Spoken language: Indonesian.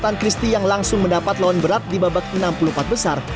dan kristi yang langsung mendapat lawan berat di babak enam puluh empat besar